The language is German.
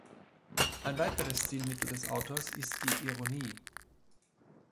Ein weiteres Stilmittel des Autors ist die Ironie.